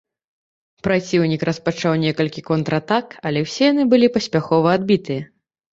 Праціўнік распачаў некалькі контратак, але ўсе яны былі паспяхова адбітыя.